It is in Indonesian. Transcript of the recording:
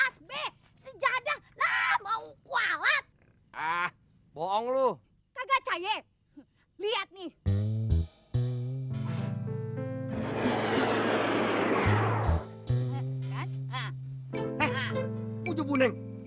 sekarang begini bang